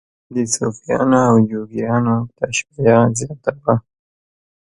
د صوفیانو او جوګیانو تشبیه زیاته وه.